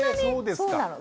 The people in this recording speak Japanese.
そうですか。